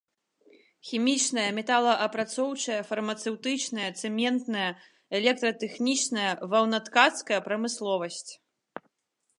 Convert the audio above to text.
Хімічная, металаапрацоўчая, фармацэўтычная, цэментная, электратэхнічная, ваўнаткацкая прамысловасць.